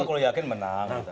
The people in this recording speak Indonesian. kalau kita yakin menang